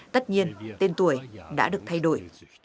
tất nhiên tên tuổi đã được thay đổi